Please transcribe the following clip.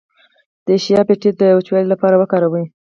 د شیا بټر د وچوالي لپاره وکاروئ